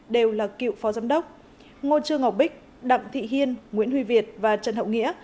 đều là cựu phó giám đốc ngô trương ngọc bích đặng thị hiên nguyễn huy việt và trần hậu nghĩa